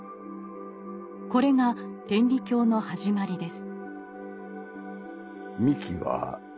これが天理教の始まりです。